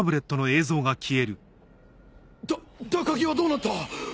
高木はどうなった？